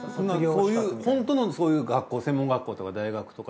ホントのそういう学校専門学校とか大学とか。